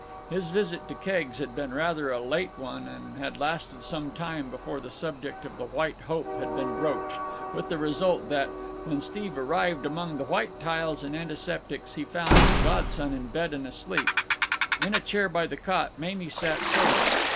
His visit to Keggs had been rather a late one and had lasted some time before the subject of the White Hope had been broached, with the result that, when Steve arrived among the white tiles and antiseptics, he found his godson in bed and asleep. In a chair by the cot Mamie sat sewing.